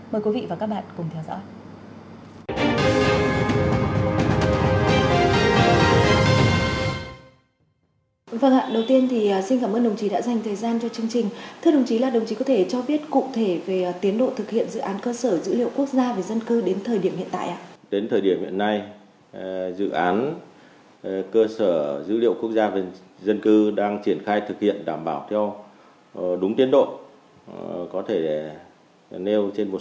mời quý vị và các bạn cùng theo dõi